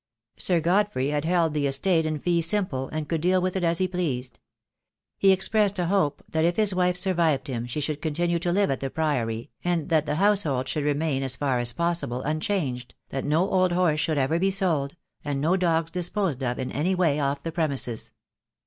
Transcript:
Sir Godfrey had held the estate in fee simple, and could deal with it as he pleased. He expressed a hope that if his wife survived him she should continue to live at the Priory, and that the household should remain, as far as possible, unchanged, that no old horse should ever be sold, and no dogs disposed of in any way off the premises.